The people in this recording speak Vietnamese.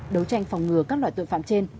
đấu tranh phòng ngừa các loại tội phạm trên